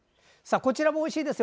こちらもおいしいですよ。